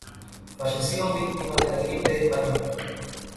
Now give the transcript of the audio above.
Falleció víctima de la gripe española.